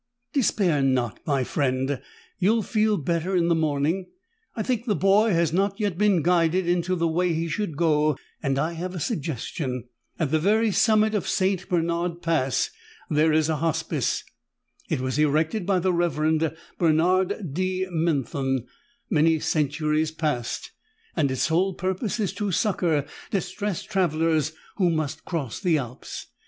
"Despair not, my friend. You'll feel better in the morning. I think the boy has not yet been guided into the way he should go and I have a suggestion. At the very summit of St. Bernard Pass there is a hospice. It was erected by the revered Bernard de Menthon, many centuries past, and its sole purpose is to succor distressed travelers who must cross the Alps.